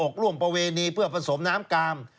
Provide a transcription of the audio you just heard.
ร่วมประเวณีเพื่อผสมน้ำกาม